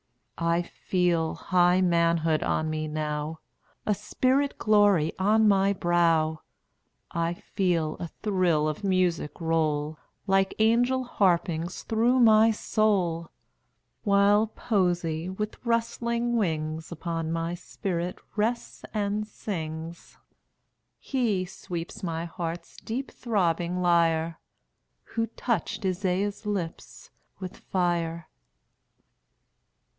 I feel high manhood on me now, A spirit glory on my brow; I feel a thrill of music roll, Like angel harpings, through my soul; While poesy, with rustling wings, Upon my spirit rests and sings. He sweeps my heart's deep throbbing lyre, Who touched Isaiah's lips with fire."